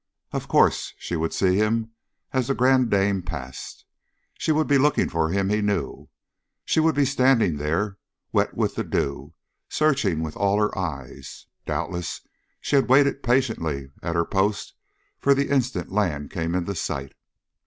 Of course, she would see him as The Grande Dame passed she would be looking for him, he knew. She would be standing there, wet with the dew, searching with all her eyes. Doubtless she had waited patiently at her post from the instant land came into sight.